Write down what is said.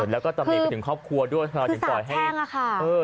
แล้วก็ตำเนตไปถึงครอบครัวด้วยคือสาบแช่งอ่ะค่ะเออ